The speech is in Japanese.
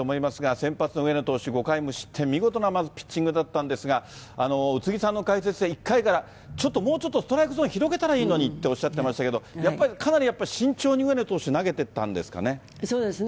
先発の上野投手、５回無失点、見事なまずピッチングだったんですが、宇津木さんの解説で、１回から、ちょっともうちょっとストライクゾーンを広げたらいいのにっておっしゃってましたけど、やっぱりかなりやっぱり慎重に上野投手、そうですね。